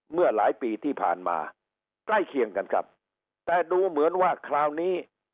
เมื่อหลายปีที่ผ่านมาใกล้เคียงกันครับแต่ดูเหมือนว่าคราวนี้